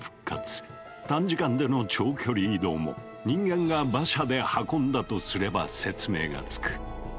短時間での長距離移動も人間が馬車で運んだとすれば説明がつく。